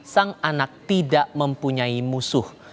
sang anak tidak mempunyai musuh